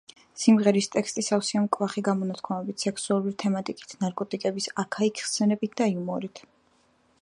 სიმღერის ტექსტი სავსეა მკვახე გამოთქმები, სექსუალური თემატიკით, ნარკოტიკების აქა-იქ ხსენებით და იუმორით.